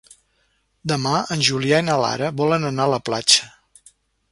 Demà en Julià i na Lara volen anar a la platja.